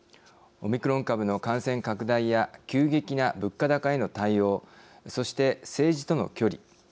オミクロン株の感染拡大や急激な物価高への対応そして政治との距離。